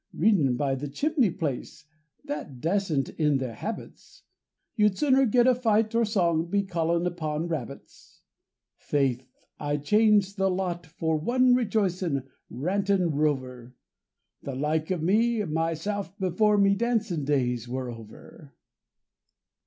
(Readin' be the chimney place, that dacent in their habits, You'd sooner get a fight or song be callin' upon rabbits.) Faith, I'd change the lot for one rejoicin', rantin' rover, _The like of me, myself, before me dancin' days were over.